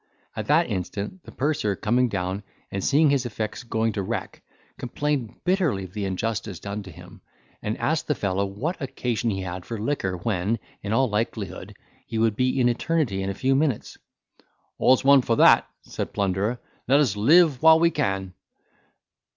At that instant the purser coming down, and seeing his effects going to wreck, complained bitterly of the injustice done to him, and asked the fellow what occasion he had for liquor when, in all likelihood, he would be in eternity in a few minutes. "All's one for that," said plunderer, "let us live while we can."